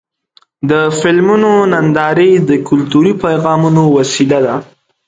د فلمونو نندارې د کلتوري پیغامونو وسیله ده.